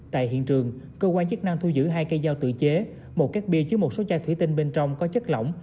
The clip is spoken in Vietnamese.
tại hiện trường cơ quan chức năng thu giữ hai cây dao tự chế một cách bia chứa một số chai thủy tinh bên trong có chất lỏng